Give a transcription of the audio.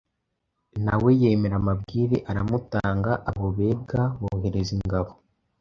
nawe yemera amabwire aramutanga abo Bega bohereza ingabo